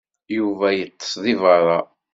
Yuba yeṭṭes deg beṛṛa.